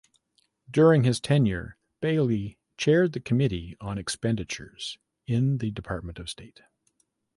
During his tenure Bailey chaired the Committee on Expenditures in the Department of State.